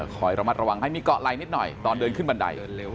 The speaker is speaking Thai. คอยระมัดระวังให้มีเกาะไหลนิดหน่อยตอนเดินขึ้นบันได